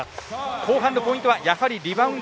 後半のポイントはやはりリバウンド。